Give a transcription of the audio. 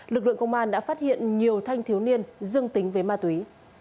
lực lượng công an đã phát hiện nhiều thanh thiếu niên dương tính với ma túy